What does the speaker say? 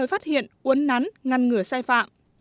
phát hiện uấn nắn ngăn ngửa sai phạm